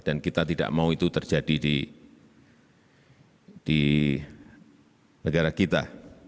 dan kita tidak mau itu terjadi di negara kita